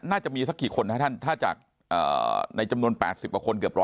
น่าจะมีสักกี่คนนะครับท่านถ้าจากในจำนวน๘๐กว่าคนเกือบ๑๐๐